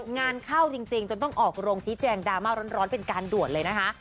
งานเข้าจริงจนต้องออกโรงชี้แจงดราม่าร้อนเป็นการด่วนเลยนะคะ